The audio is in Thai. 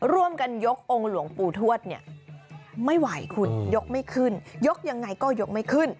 ร่วมกันยกองค์หลวงปู่ทวดเนี่ยไม่ไหวคุณยกไม่ขึ้นยกยังไงก็ยกไม่ขึ้น